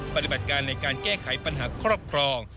ปฏิบัติการในการแก้ไขปัญหาครอบครอง